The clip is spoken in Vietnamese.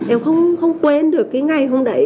em không quên được cái ngày hôm đấy